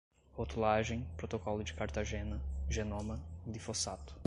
rotulagem, protocolo de cartagena, genoma, glifosato